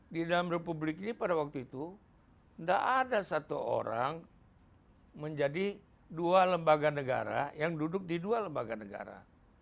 di dalam republik ini pada waktu itu tidak ada satu orang menjadi dua lembaga negara yang duduk di dua lembaga negara